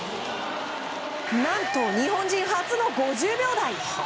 何と、日本人初の５０秒台！